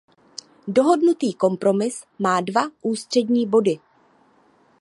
Dohodnutý kompromis má dva ústřední body.